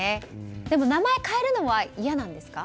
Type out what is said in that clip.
でも名前変えるのは嫌なんですか？